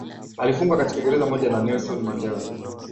alifungwa katika gereza moja na nelson mandela